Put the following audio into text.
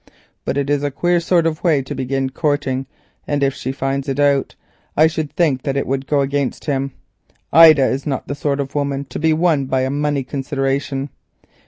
But it is a queer sort of way to begin courting, and if she finds it out I should think that it would go against him. Ida is not the sort of woman to be won by a money consideration.